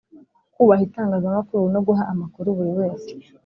Kubaha itangazamakuru no guha amakuru buri wese